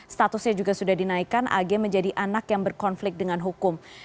statusnya juga sudah dinaikkan ag menjadi anak yang berkonflik dengan hukum